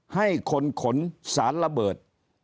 ให้คนขนสารระเบิด